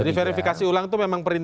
jadi verifikasi ulang itu memang berjalan